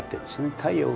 太陽が。